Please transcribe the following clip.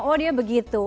oh dia begitu